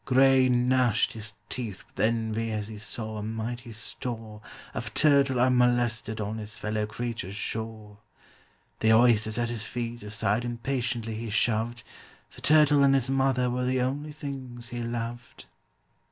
GRAY gnashed his teeth with envy as he saw a mighty store Of turtle unmolested on his fellow creature's shore. The oysters at his feet aside impatiently he shoved, For turtle and his mother were the only things he loved.